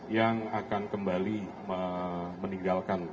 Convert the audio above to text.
yang akan kembali meninggalkan